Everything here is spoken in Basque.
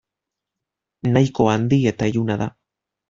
Nahiko handi eta iluna da.